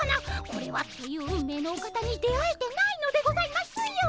これはという運命のお方に出会えてないのでございますよ。